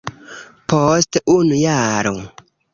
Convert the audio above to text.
Post unu jaro.